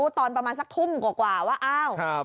ตอนประมาณสักทุ่มกว่าวัน